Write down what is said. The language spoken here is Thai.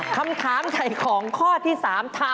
คำถามใส่ของข้อที่๓ถามว่า